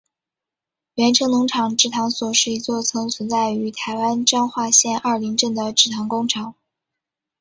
源成农场制糖所是一座曾存在于台湾彰化县二林镇的制糖工厂。